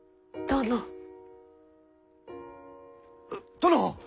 殿！